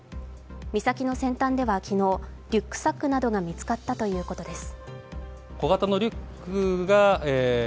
岬の先端では昨日リュックサックなどが見つかったということです。